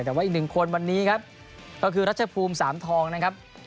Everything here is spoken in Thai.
แต่ว่าอีกหนึ่งคนวันนี้ครับก็คือรัชภูมิสามทองนะครับ